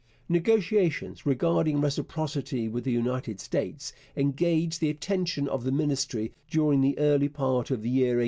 Negotiations regarding reciprocity with the United States engaged the attention of the Ministry during the early part of the year 1866.